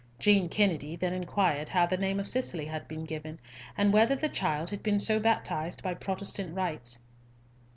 Jean Kennedy then inquired how the name of Cicely had been given, and whether the child had been so baptized by Protestant rites.